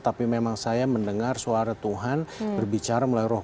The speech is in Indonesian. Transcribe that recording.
tapi memang saya mendengar suara tuhan berbicara melalui roh